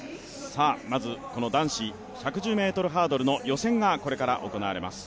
まず、男子１１０ｍハードルの予選がこれから行われます。